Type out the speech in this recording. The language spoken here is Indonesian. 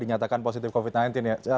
dinyatakan positif covid sembilan belas ya